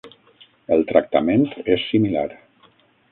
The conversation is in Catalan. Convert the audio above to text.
El tractament és similar.